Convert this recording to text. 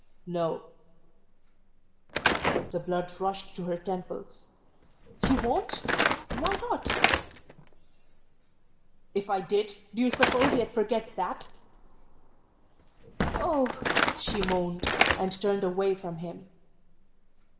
"No." The blood rushed to her temples. "You won't? Why not?" "If I did, do you suppose you'd forget THAT?" "Oh " she moaned, and turned away from him.